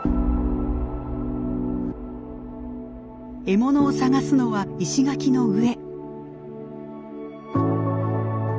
獲物を探すのは石垣の上。